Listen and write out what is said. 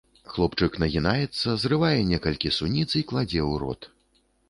Хлопчык нагінаецца, зрывае некалькі суніц і кладзе ў рот.